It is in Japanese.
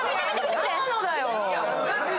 長野だよ。